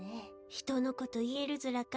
人のこと言えるずらか？